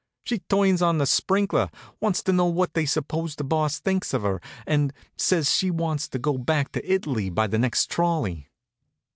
She turns on the sprinkler, wants to know what they suppose the Boss thinks of her, and says she wants to go back to It'ly by the next trolley.